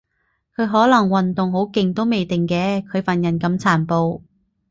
佢可能運動好勁都未定嘅，佢份人咁殘暴